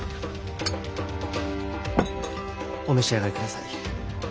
お召し上がり下さい。